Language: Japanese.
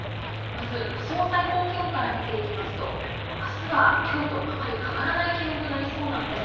まず予想最高気温から見ていきますと、あすはきょうとあまり変わらない気温となりそうなんです。